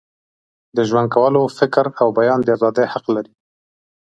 د ژوند کولو، فکر او بیان د ازادۍ حق لري.